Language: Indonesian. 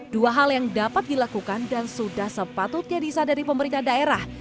dua hal yang dapat dilakukan dan sudah sepatutnya disadari pemerintah daerah